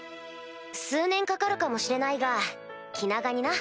数年かかるかもしれないが気長にな。